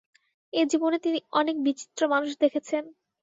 এ-জীবনে তিনি অনেক বিচিত্র মানুষ দেখেছেন।